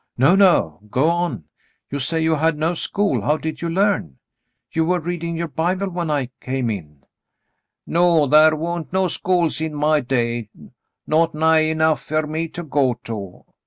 "No, no. Go on. You say you had no school; how did you learn ? You were reading your Bible when I came m." (< 'No. Thar wa'n't no schools in my day, not nigh enough fer me to go to.